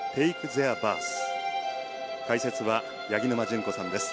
解説は八木沼純子さんです。